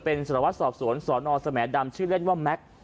เป็นสารวัตรสอบสวนสนสแหมดำชื่อเล่นว่าแม็กซ์